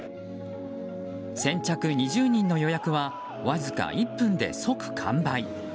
先着２０人の予約はわずか１分で即完売。